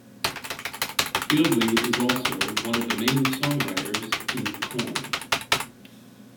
Fieldy is also one of the main songwriters in Korn.